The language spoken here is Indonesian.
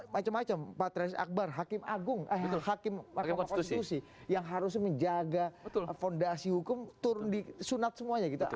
macem macem pak trans akbar hakim agung hakim konstitusi yang harus menjaga fondasi hukum turun di sunat semuanya gitu